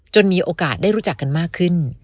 มีโอกาสได้รู้จักกันมากขึ้น